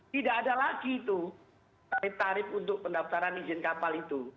tidak ada lagi itu tarif tarif untuk pendaftaran izin kapal itu